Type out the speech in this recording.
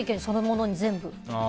そのものに全部。